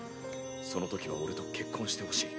そのときは俺と結婚してほしい。